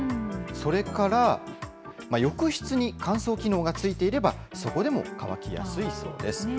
それから浴室に乾燥機能が付いていれば、そこでも乾きやすいそうです。